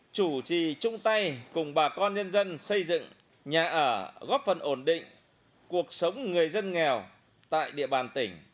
chủ trì chung tay cùng bà con nhân dân xây dựng nhà ở góp phần ổn định cuộc sống người dân nghèo tại địa bàn tỉnh